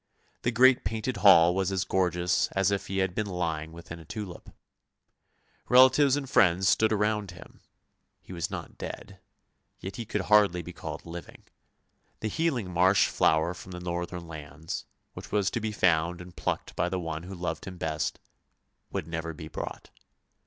The great painted hall was as gorgeous as if he had been lying within a tulip. Relatives and friends stood around him — he was not dead — yet he could hardly be called living. The healing marsh flower from the northern lands, which was to be found and plucked by the one who loved him best, would never be brought.